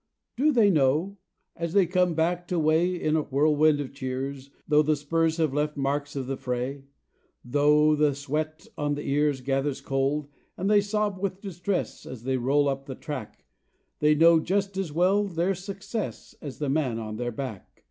Do they know? As they come back to weigh In a whirlwind of cheers, Though the spurs have left marks of the fray, Though the sweat on the ears Gathers cold, and they sob with distress As they roll up the track, They know just as well their success As the man on their back.